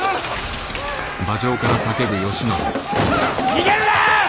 逃げるな！